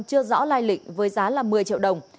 chưa rõ lai lịch với giá là một mươi triệu đồng